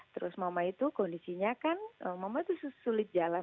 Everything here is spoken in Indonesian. terus mama itu kondisinya kan mama itu sulit jalan